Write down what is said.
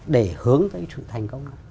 để hướng tới sự thành công